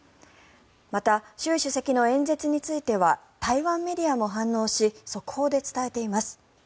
また、習主席の演説については台湾メディアも反応し速報で伝えています。